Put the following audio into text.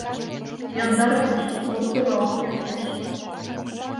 Яндар гыч локтылалт кертеш.